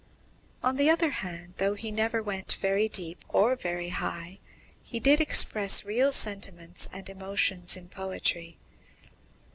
_ On the other hand, though he never went very deep or very high, he did express real sentiments and emotions in poetry.